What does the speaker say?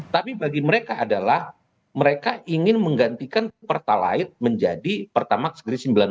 tapi bagi mereka adalah mereka ingin menggantikan pertalat menjadi pertamaksana green sembilan puluh dua